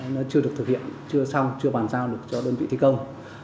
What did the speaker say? nó chưa được thực hiện chưa xong chưa bàn giao được cho đơn vị thi công